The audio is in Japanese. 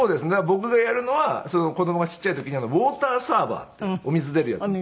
僕がやるのは子供がちっちゃい時にウォーターサーバーっていうお水出るやつ。